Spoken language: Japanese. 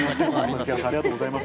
ありがとうございます。